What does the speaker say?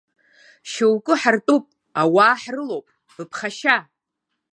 Шьоукы ҳартәуп, ауаа ҳрылоуп, быԥхашьа.